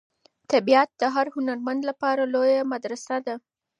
طبیعت د هر هنرمند لپاره لویه مدرسه ده.